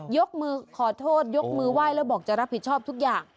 ยกมือขอโทษยกมือไหว้แล้วบอกจะรับผิดชอบทุกอย่าง